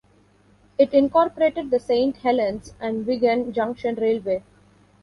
It incorporated the Saint Helens and Wigan Junction Railway.